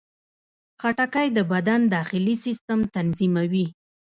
خټکی د بدن داخلي سیستم تنظیموي.